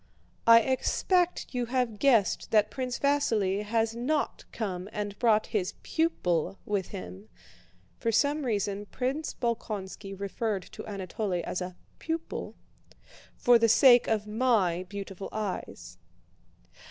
"I expect you have guessed that Prince Vasíli has not come and brought his pupil with him" (for some reason Prince Bolkónski referred to Anatole as a "pupil") "for the sake of my beautiful eyes.